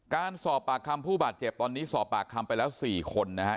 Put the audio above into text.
การสอบปากคำผู้บาดเจ็บตอนนี้สอบปากคำไปแล้ว๔คนนะฮะ